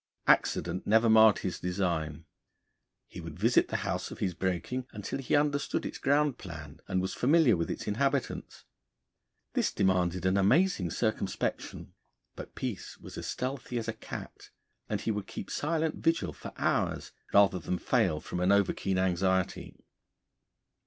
Accident never marred his design. He would visit the house of his breaking until he understood its ground plan, and was familiar with its inhabitants. This demanded an amazing circumspection, but Peace was as stealthy as a cat, and he would keep silent vigil for hours rather than fail from an over keen anxiety.